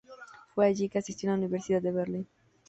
Fue allí que asistió en la Universidad de Berlín.